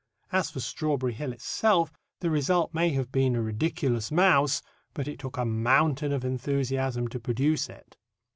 As for Strawberry Hill itself, the result may have been a ridiculous mouse, but it took a mountain of enthusiasm to produce it.